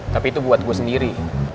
tapi itu buat gue sendiri